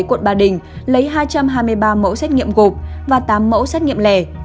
quận ba đình lấy hai trăm hai mươi ba mẫu xét nghiệm gục và tám mẫu xét nghiệm lẻ